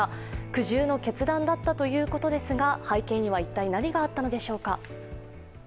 苦渋の決断だったということですが背景には一体何があったのでしょうか。